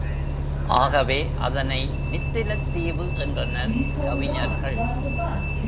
ஆகவே அதனை நித்திலத் தீவு என்றனர் கவிஞர்கள்.